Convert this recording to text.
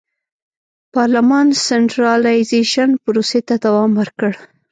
پارلمان سنټرالیزېشن پروسې ته دوام ورکړ.